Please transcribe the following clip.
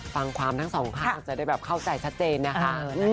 ฟังความทั้งสองข้างจะได้แบบเข้าใจชัดเจนนะคะ